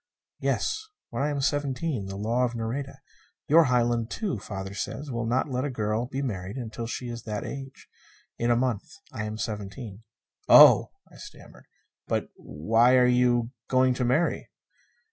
"Yes. When I am seventeen. The law of Nareda your Highland law, too, father says will not let a girl be married until she is that age. In a month I am seventeen." "Oh!" And I stammered, "But why are you going to marry?"